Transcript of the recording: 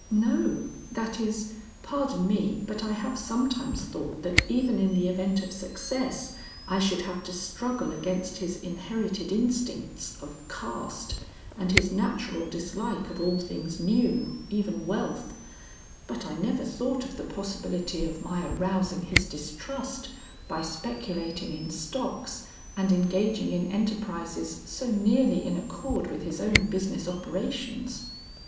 "No, that is, pardon me but I have sometimes thought that even in the event of success I should have to struggle against his inherited instincts of caste and his natural dislike of all things new, even wealth, but I never thought of the possibility of my arousing his distrust by speculating in stocks and engaging in enterprises so nearly in accord with his own business operations."